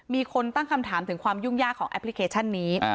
มีคนตั้งคำถามถึงความยุ่งยากของแอปพลิเคชันนี้